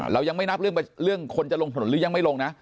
เรายังไม่นับเรื่องคนจะลงถนนหรือยังไม่ลงนะ